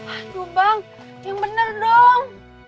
aduh bang yang benar dong